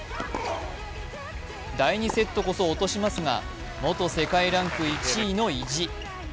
第２セットこそ落としますが元世界ランク１位の意地。